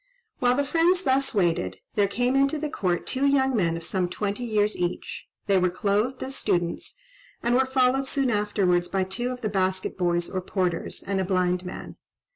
While the friends thus waited, there came into the court two young men of some twenty years each; they were clothed as students, and were followed soon afterwards by two of the basket boys or porters, and a blind man.